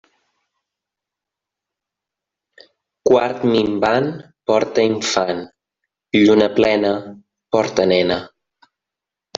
Quart minvant porta infant; lluna plena porta nena.